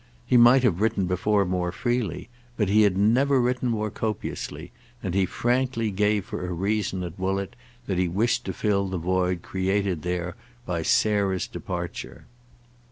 He might have written before more freely, but he had never written more copiously; and he frankly gave for a reason at Woollett that he wished to fill the void created there by Sarah's departure.